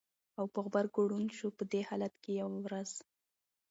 او په غبرګو ړوند شو! په دې حالت کې یوه ورځ